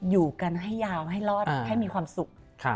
อยู่กันให้ยาวให้รอดให้มีความสุข